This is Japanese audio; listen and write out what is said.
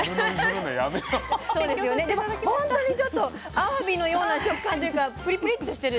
でも本当にちょっとあわびのような食感というかプリプリッとしてる。